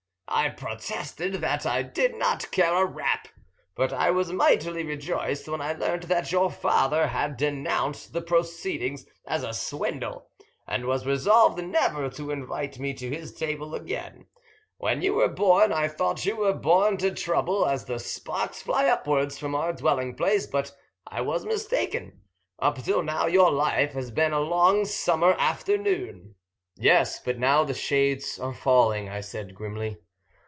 I protested that I did not care a rap; but I was mightily rejoiced when I learnt that your father had denounced the proceedings as a swindle, and was resolved never to invite me to his table again. When you were born I thought you were born to trouble, as the sparks fly upwards from our dwelling place; but I was mistaken. Up till now your life has been a long summer afternoon." "Yes, but now the shades are falling," I said grimly.